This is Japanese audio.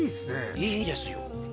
いいですよ。